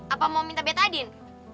apa mau minta betadin